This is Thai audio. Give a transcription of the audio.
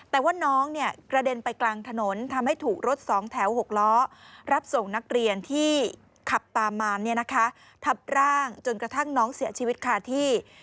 แต่ว่าน้องกระเด็นไปกลางถนนทำให้ถูกรถสองแถว๖ล้อรับส่งนักเรียนที่ขับตามมาทับร่างจนกระทั่งน้องเสียชีวิตคาที่